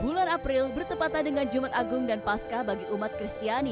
bulan april bertepatan dengan jumat agung dan paskah bagi umat kristiani